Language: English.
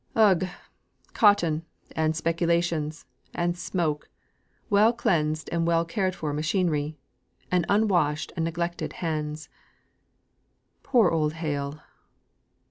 "Ugh! Cotton, and speculations, and smoke, well cleansed and well cared for machinery, and unwashed and neglected hands. Poor old Hale!